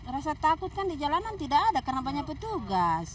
rasa takut kan di jalanan tidak ada karena banyak petugas